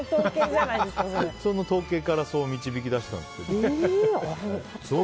その統計から導き出したんです。